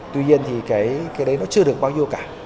tuy nhiên thì cái đấy nó chưa được bao nhiêu cả